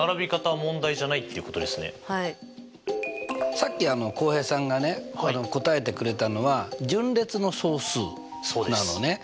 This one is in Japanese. さっき浩平さんがね答えてくれたのは順列の総数なのね。